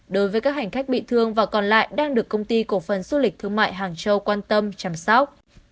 đối với các hành khách bị thương và còn lại đang được công ty cổ phần du lịch thương mại hàng châu quan tâm chăm sóc